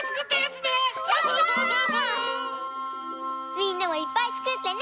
みんなもいっぱいつくってね！